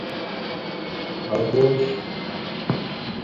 اَبوش